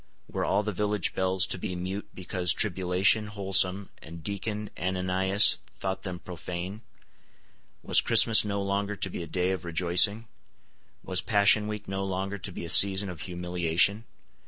Were all the village bells to be mute because Tribulation Wholesome and Deacon Ananias thought them profane? Was Christmas no longer to be a day of rejoicing? Was Passion week no longer to be a season of humiliation?